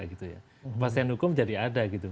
kepastian hukum jadi ada